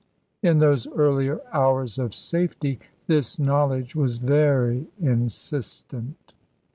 In those earlier hours of safety this knowledge was very insistent.